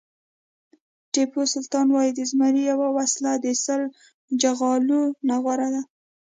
ټيپو سلطان وایي د زمري یوه ورځ د سل چغالو نه غوره ده.